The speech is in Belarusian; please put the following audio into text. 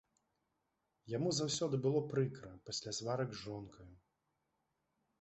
Яму заўсёды было прыкра пасля сварак з жонкаю.